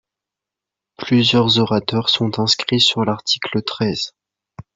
Plusieurs orateurs sont inscrits sur l’article treize.